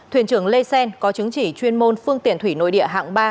thuyền trưởng lê xen có chứng chỉ chuyên môn phương tiện thủy nội địa hạng ba